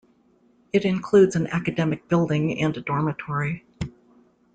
It includes an academic building and a dormitory.